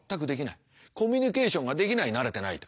コミュニケーションができない慣れてないと。